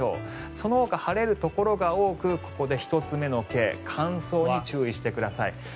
そのほか、晴れるところが多くここで１つ目のＫ乾燥に注意してください。